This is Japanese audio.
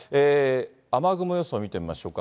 雨雲予想見てみましょうか。